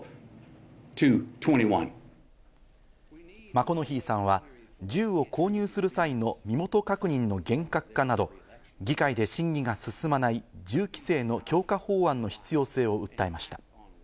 マコノヒーさんは銃を購入する際の身元確認の厳格化など議会で審議が進まない銃規制の強化法案の必要性を訴えました。